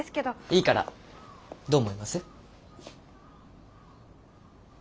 いいからどう思います？